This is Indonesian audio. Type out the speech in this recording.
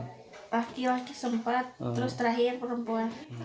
laki laki sempat terus terakhir perempuan